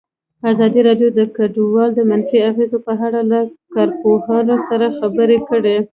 ازادي راډیو د کډوال د منفي اغېزو په اړه له کارپوهانو سره خبرې کړي.